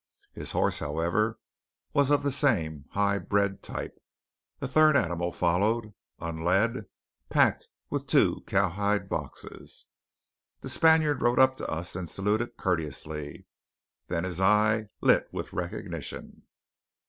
His horse, however, was of the same high bred type. A third animal followed, unled, packed with two cowhide boxes. The Spaniard rode up to us and saluted courteously; then his eye lit with recognition.